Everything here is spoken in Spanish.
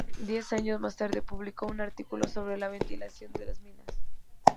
Diez años más tarde publicó un artículo sobre la ventilación de las minas.